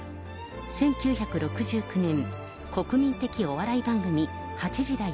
１９６９年、国民的お笑い番組、８時だョ！